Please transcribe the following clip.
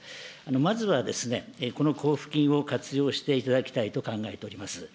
まずはですね、この交付金を活用していただきたいと考えております。